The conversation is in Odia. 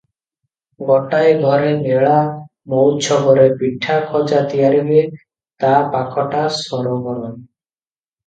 ଗୋଟାଏ ଘରେ ମେଳା ମଉଛବରେ ପିଠା ଖଜା ତିଆରି ହୁଏ, ତା ପାଖଟା ସରଘର ।